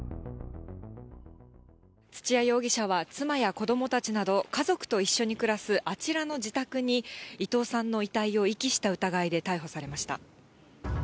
土屋容疑者は、妻や子どもたちなど家族と一緒に暮らすあちらの自宅に、伊藤さんの遺体を遺棄した疑いで逮捕されました。